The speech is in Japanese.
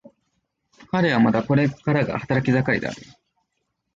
彼はまだこれからが働き盛りである。